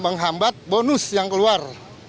menghambat bonus yang keluar